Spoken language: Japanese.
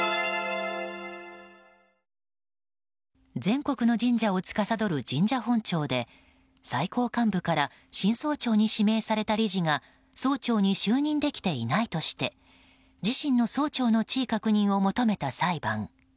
全国の神社をつかさどる神社本庁で最高幹部から新総長に指名された理事が総長に就任できていないとして自身の総長の地位確認を求めた裁判。